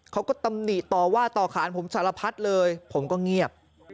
ตำหนิต่อว่าต่อขานผมสารพัดเลยผมก็เงียบ